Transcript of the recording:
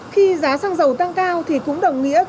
khi giá xăng dầu tăng cao thì cũng đồng nghĩa gánh ngược